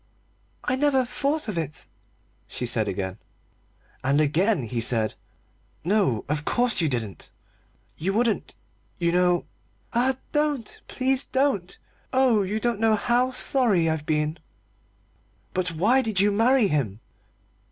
"I never thought of it," she said again. And again he said: "No, of course you didn't; you wouldn't, you know " "Ah, don't! please don't! Oh, you don't know how sorry I've been " "But why did you marry him?"